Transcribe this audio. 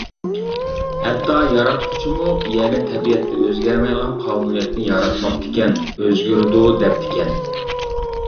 ھەتتا ياراتقۇچىمۇ يەنە تەبىئەتتە ئۆزگەرمەيدىغان قانۇنىيەتنى ياراتماپتىكەن، ئۆزگىرىدۇ دەپتىكەن.